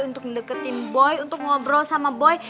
untuk deketin boy untuk ngobrol sama boy